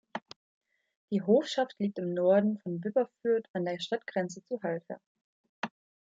Die Hofschaft liegt im Norden von Wipperfürth an der Stadtgrenze zu Halver.